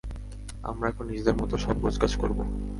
আমরা এখন নিজেদের মতো সব গোছগাছ করব!